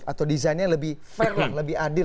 atau desainnya lebih fair lah lebih adil